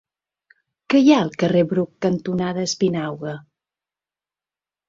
Què hi ha al carrer Bruc cantonada Espinauga?